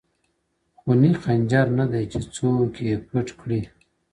خوني خنجر نه دى چي څوك يې پـټ كــړي؛